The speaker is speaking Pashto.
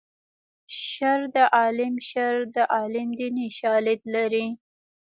شر د عالم شر د عالم دیني شالید لري